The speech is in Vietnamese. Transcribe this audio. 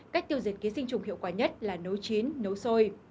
cách tiêu diệt ký sinh trùng hiệu quả nhất là nấu chín nấu sôi